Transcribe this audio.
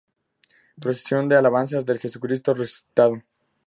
Procesión de alabanzas de Jesucristo Resucitado.